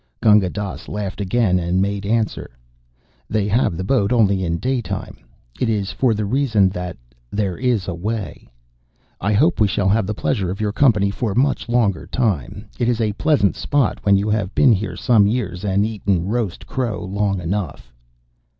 Gunga Dass laughed again and made answer: "They have the boat only in daytime. It is for the reason that there is a way. I hope we shall have the pleasure of your company for much longer time. It is a pleasant spot when you have been here some years and eaten roast crow long enough."